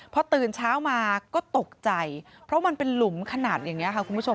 พอตื่นเช้ามาก็ตกใจเพราะมันเป็นหลุมขนาดอย่างนี้ค่ะคุณผู้ชม